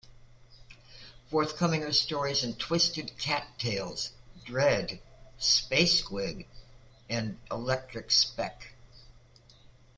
Forthcoming are stories in "Twisted Cat Tales", "Dred", "Space Squid" and "Electric Spec".